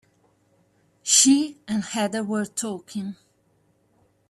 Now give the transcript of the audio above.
She and Heather were talking.